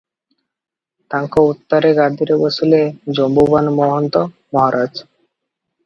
ତାଙ୍କ ଉତ୍ତାରେ ଗାଦିରେ ବସିଲେ ଜମ୍ବୁବାନ୍ ମହନ୍ତ ମହାରାଜ ।